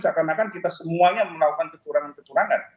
seakan akan kita semuanya melakukan kecurangan kecurangan